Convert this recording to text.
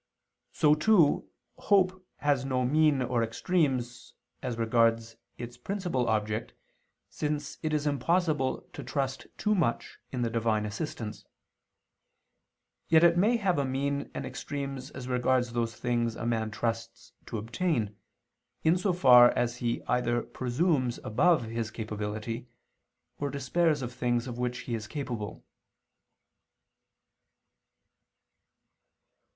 So too, hope has no mean or extremes, as regards its principal object, since it is impossible to trust too much in the Divine assistance; yet it may have a mean and extremes, as regards those things a man trusts to obtain, in so far as he either presumes above his capability, or despairs of things of which he is capable.